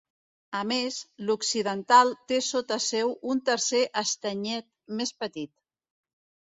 A més, l'occidental té sota seu un tercer estanyet més petit.